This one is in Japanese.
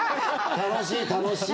楽しい、楽しい。